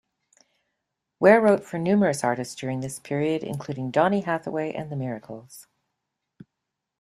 Ware wrote for numerous artists during this period including Donny Hathaway and The Miracles.